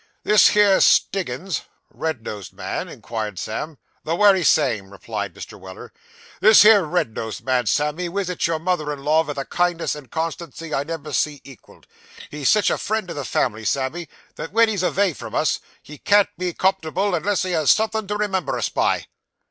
'This here Stiggins ' 'Red nosed man?' inquired Sam. 'The wery same,' replied Mr. Weller. 'This here red nosed man, Sammy, wisits your mother in law vith a kindness and constancy I never see equalled. He's sitch a friend o' the family, Sammy, that wen he's avay from us, he can't be comfortable unless he has somethin' to remember us by.